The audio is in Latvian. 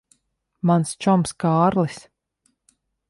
Mans čoms Kārlis.